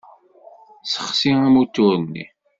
Ssexsi amutur-nni.